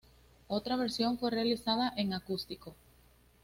Otra versión fue realizada en acústico.